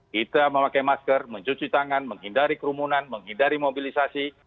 kita memakai masker mencuci tangan menghindari kerumunan menghindari mobilisasi